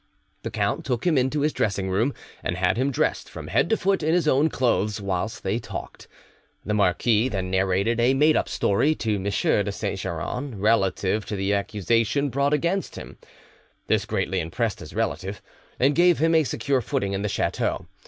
The count took him into his dressing room, and had him dressed from head to foot in his own clothes, whilst they talked. The marquis then narrated a made up story to M. de Saint Geran relative to the accusation brought against him. This greatly impressed his relative, and gave him a secure footing in the chateau.